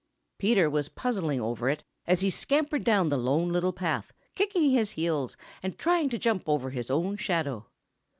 Peter was puzzling over it as he scampered down the Lone Little Path, kicking his heels and trying to jump over his own shadow.